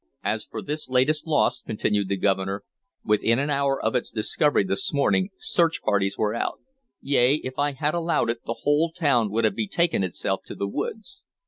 "As for this latest loss," continued the Governor, "within an hour of its discovery this morning search parties were out; yea, if I had allowed it, the whole town would have betaken itself to the woods.